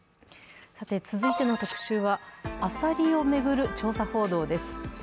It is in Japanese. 続いての特集はアサリを巡る調査報道です。